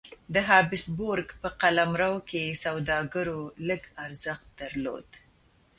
د هابسبورګ په قلمرو کې سوداګرو لږ ارزښت درلود.